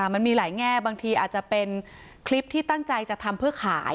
มันมีหลายแง่บางทีอาจจะเป็นคลิปที่ตั้งใจจะทำเพื่อขาย